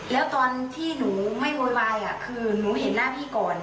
แล้วตอนที่หนูไม่โวยวายคือหนูเห็นหน้าพี่ก่อน